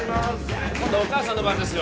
今度はお母さんの番ですよ